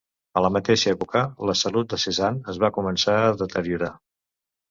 A la mateixa època la salut de Cézanne es va començar a deteriorar.